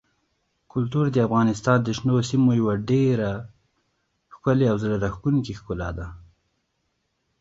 کلتور د افغانستان د شنو سیمو یوه ډېره ښکلې او زړه راښکونکې ښکلا ده.